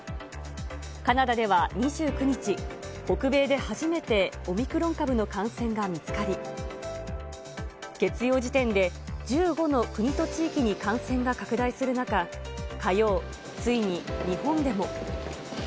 カナダでは２９日、北米で初めて、オミクロン株の感染が見つかり、月曜時点で１５の国と地域に感染が拡大する中、火曜、ついに日本でも。